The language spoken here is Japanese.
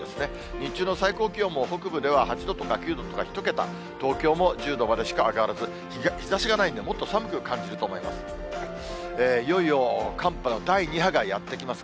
日中の最高気温も北部では８度とか９度とか１桁、東京も１０度までしか上がらず、日ざしがないんでもっと寒く感じると思います。